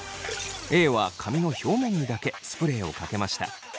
Ａは髪の表面にだけスプレーをかけました。